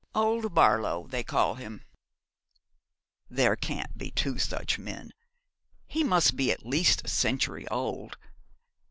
Old Barlow, they call him.' 'There can't be two such men he must be at least a century old.